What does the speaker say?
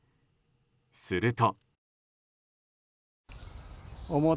すると。